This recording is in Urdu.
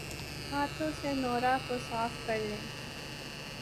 ہاتھوں سے نورہ کو صاف کرلیں